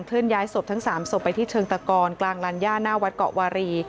ย้ายศพทั้ง๓ศพไปที่เชิงตะกอนกลางลัญญาหน้าวัดเกาะวารี